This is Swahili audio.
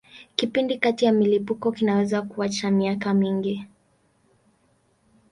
Kipindi kati ya milipuko kinaweza kuwa cha miaka mingi.